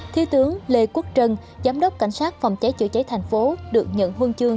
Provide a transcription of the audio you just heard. thi tướng lê quốc trân giám đốc cảnh sát phòng cháy chữa cháy thành phố được nhận huân chương